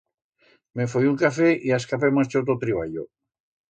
Me foi un café y a escape marcho t'o treballo.